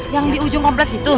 yang di ujung kompleks itu